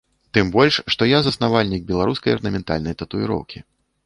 Тым больш, што я заснавальнік беларускай арнаментальнай татуіроўкі.